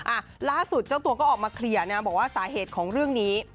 อ่ะล่าสุดเจ้าตัวก็ออกมาเคลียร์นะบอกว่าสาเหตุของเรื่องนี้